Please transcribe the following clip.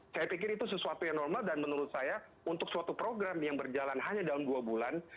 saya pikir itu sesuatu yang normal dan menurut saya untuk suatu program yang berjalan hanya dalam dua bulan